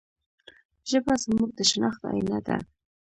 ژبه زموږ د شناخت آینه ده.